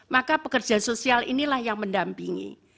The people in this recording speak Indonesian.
maka pekerja sosial inilah yang mendampingi